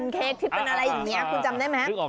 เค้กที่เป็นอะไรอย่างนี้คุณจำได้ไหม